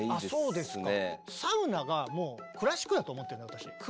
そうですか？